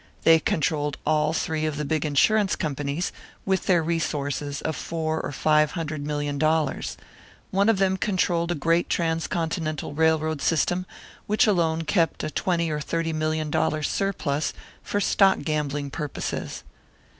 They controlled all three of the big insurance companies, with their resources of four or five hundred million dollars; one of them controlled a great transcontinental railroad system, which alone kept a twenty or thirty million dollar "surplus" for stock gambling purposes.